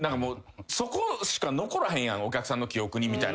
そこしか残らへんやんお客さんの記憶にみたいなことを。